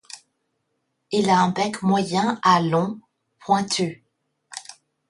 Il a un bec moyen à long, pointu.